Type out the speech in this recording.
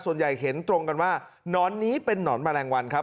ส่วนใหญ่เห็นตรงกันว่าหนอนนี้เป็นนอนแมลงวันครับ